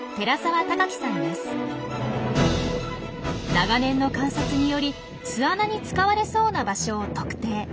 長年の観察により巣穴に使われそうな場所を特定。